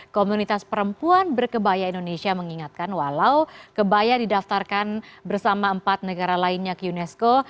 komunitas perempuan berkebaya indonesia mengingatkan walau kebaya didaftarkan bersama empat negara lainnya ke unesco